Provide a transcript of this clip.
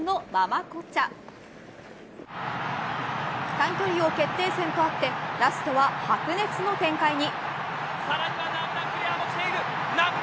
短距離王決定戦とあってラストは白熱の展開に。